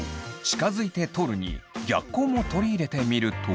近づいて撮るに逆光も取り入れてみると。